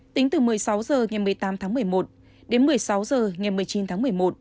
tính từ một mươi sáu h ngày một mươi tám tháng một mươi một đến một mươi sáu h ngày một mươi chín tháng một mươi một